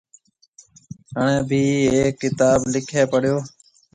هڻي ڀِي هيڪ ڪتآب لِکي پڙيو۔